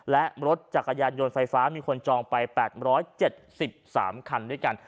และรถจักรยานยนต์ไฟฟ้ามีคนจองไป๘๗๓คันด้วยกัน